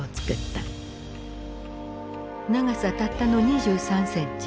長さたったの２３センチ。